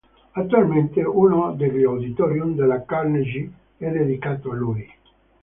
Attualmente uno degli auditorium della Carnegie è dedicato a lui.